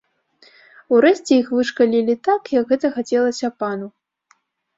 Урэшце іх вышкалілі так, як гэта хацелася пану.